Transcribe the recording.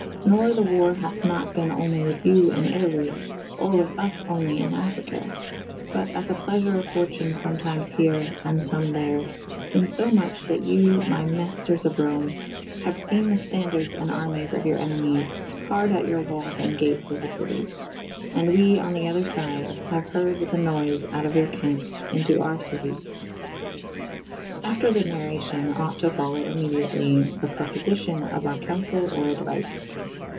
Nor the war hathe nat bene only with you in Italy or with vs onely in Affryke : but at the pleafure of fortune fometyme here and ibme there / in fo muche that you my maifters of Rome haue fene the fta^zderdes and armes of your enemyes harde at your walles and gates of the citie. And we on the other fyde haue herde the noyfe out of your camps^ into our citie. After the narracyon ought to folowe immadiately the propofy cyon of our councell or aduife.